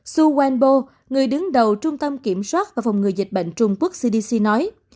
su wenbo người đứng đầu trung tâm kiểm soát và phòng ngừa dịch bệnh trung quốc cdc nói